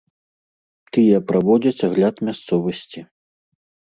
Тыя праводзяць агляд мясцовасці.